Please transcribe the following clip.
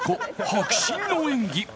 迫真の演技。